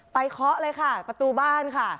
เคาะเลยค่ะประตูบ้านค่ะ